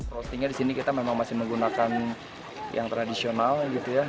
roastingnya di sini kita memang masih menggunakan yang tradisional gitu ya